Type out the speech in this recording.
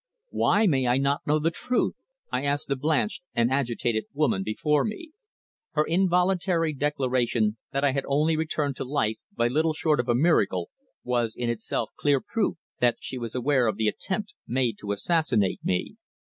"Why may I not know the truth?" I asked the blanched and agitated woman before me. Her involuntary declaration that I had only returned to life by little short of a miracle was in itself clear proof that she was aware of the attempt made to assassinate me.